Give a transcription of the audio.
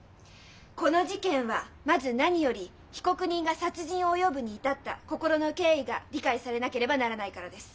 この事件はまず何より被告人が殺人を及ぶに至った心の経緯が理解されなければならないからです。